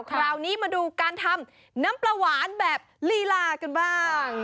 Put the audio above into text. คราวนี้มาดูการทำน้ำปลาหวานแบบลีลากันบ้าง